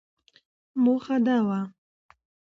موخه دا وه ،